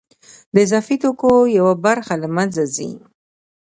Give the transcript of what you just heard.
د اضافي توکو یوه برخه له منځه ځي